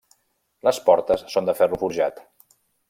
Les portes són de ferro forjat.